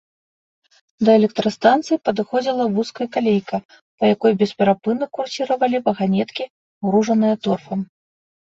Да электрастанцыі падыходзіла вузкакалейка, па якой бесперапынна курсіравалі ваганеткі, гружаныя торфам.